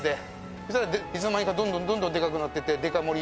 そしたらいつの間にかどんどんどんどんでかくなっていってデカ盛り